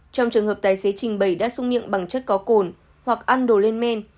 trong trường hợp tài xế trình bày đã sung miệng bằng chất có cồn hoặc ăn đồ lên men